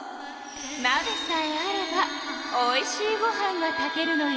なべさえあればおいしいご飯が炊けるのよ。